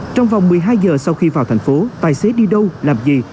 trong vòng một mươi hai giờ sau khi vào thành phố tài xế đi đâu làm gì